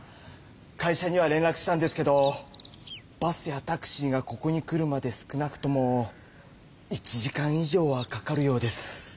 会社には連らくしたんですけどバスやタクシーがここに来るまで少なくとも１時間以上はかかるようです。